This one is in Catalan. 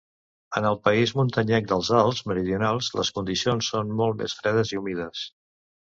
En el país muntanyenc dels Alps Meridionals, les condicions són molt més fredes i humides.